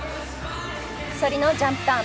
反りのジャンプターン。